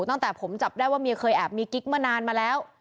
ตั้งแต่ผมจับได้ว่าเมียเคยแอบมีกิ๊กมานานมาแล้ว